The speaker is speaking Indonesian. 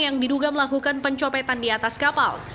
yang diduga melakukan pencopetan di atas kapal